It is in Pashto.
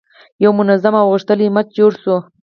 یو منظم او غښتلی امت جوړ شو.